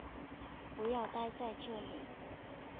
不要待在这里